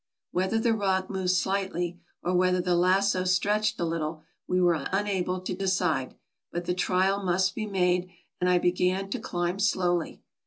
Whether the rock moved slightly or whether the lasso stretched a little we were unable to decide; but the trial must be made, and I began to climb slowly.